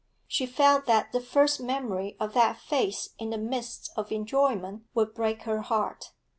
She felt that the first memory of that face in the midst of enjoyment would break her heart.